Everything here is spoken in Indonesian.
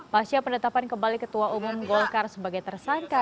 pasca penetapan kembali ketua umum golkar sebagai tersangka